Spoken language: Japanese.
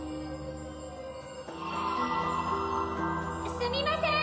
すみません